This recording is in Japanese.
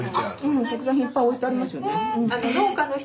うん特産品いっぱい置いてありますよね。